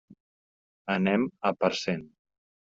Anem a Parcent.